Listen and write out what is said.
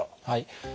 はい。